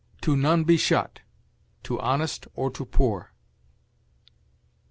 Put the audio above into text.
To none be shut to honest or to poor!"